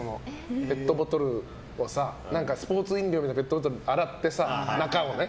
ペットボトルをさスポーツ飲料のペットボトルをさ洗って、中を。